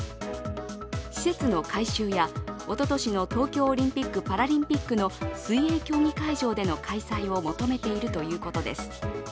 施設の改修やおととしの東京オリンピック・パラリンピックの水泳競技会場での開催を求めているということです。